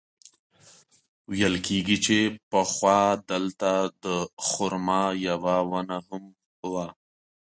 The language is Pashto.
ویل کېږي چې پخوا دلته د خرما یوه ونه هم وه.